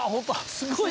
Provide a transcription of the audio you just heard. すごい。